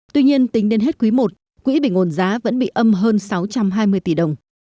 tuy nhiên tính đến hết quý i quỹ bình ổn giá vẫn bị âm hơn sáu trăm hai mươi tỷ đồng